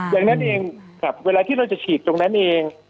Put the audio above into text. อย่างนั้นเองเวลาที่เราจะฉีดตรงนั้นเอง